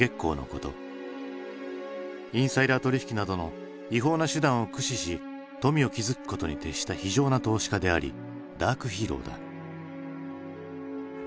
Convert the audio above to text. インサイダー取引などの違法な手段を駆使し富を築くことに徹した非情な投資家でありダークヒーローだ。